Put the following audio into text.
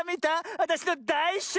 わたしのだいしょ